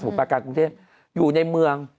สมุดปลาการกรุงเทพอยู่ในเมือง